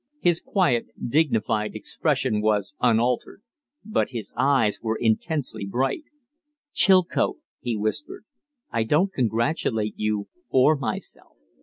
His quiet, dignified expression was unaltered, but his eyes were intensely bright. "Chilcote," he whispered, "I don't congratulate you or myself.